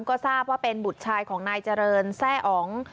ก็ทราบว่าเป็นบุตรชายของนายเจริญแซ่อ๋อง